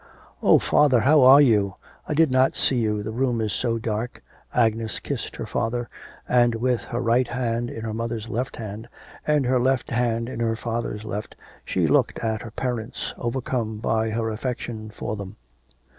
'Oh, father, how are you? I did not see you, the room is so dark.' Agnes kissed her father, and with her right hand in her mother's left hand, and her left hand in her father's left she looked at her parents, overcome by her affection for them.